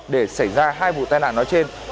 để xảy ra hai vụ tai nạn nói trên